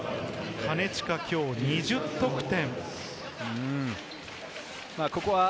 金近、今日２０得点。